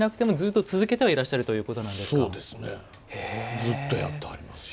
ずっとやってはります。